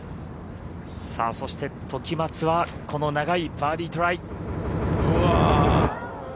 そして、時松はこの長いバーディートライ。